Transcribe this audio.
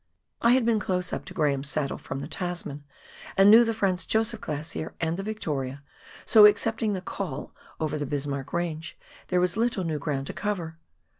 I had been close up to Graham's Saddle, from the Tasman, and knew the Franz Josef Glacier and the Victoria, so excepting the " col " over the Bismarck Eange, there was little new ground to cover.